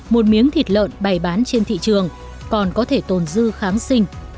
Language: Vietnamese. một miếng thịt lợn bày bán trên thị trường còn có thể tồn dư kháng sinh